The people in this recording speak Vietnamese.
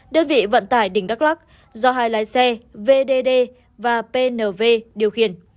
đơn vị vận tải đỉnh đắk lắc do hai lái xe vdd và pnv điều khiển